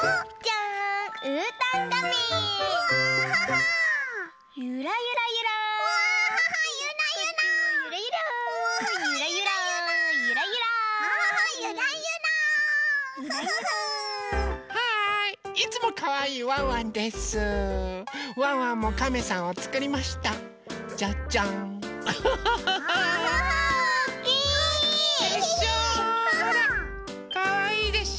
ほらかわいいでしょ？